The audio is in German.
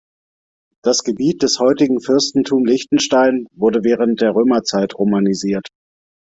Das Gebiet des heutigen Fürstentum Liechtenstein wurde während der Römerzeit romanisiert.